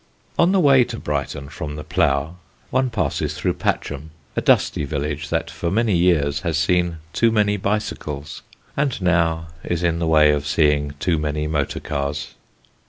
On the way to Brighton from the Plough one passes through Patcham, a dusty village that for many years has seen too many bicycles, and now is in the way of seeing too many motor cars.